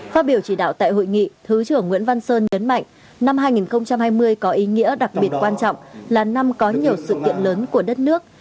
phát biểu chỉ đạo tại hội nghị thứ trưởng nguyễn văn sơn nhấn mạnh năm hai nghìn hai mươi có ý nghĩa đặc biệt quan trọng là năm có nhiều sự kiện lớn của đất nước